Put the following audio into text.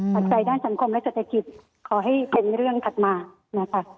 ปัจจัยด้านสังคมและเศรษฐกิจขอให้เป็นเรื่องถัดมานะคะ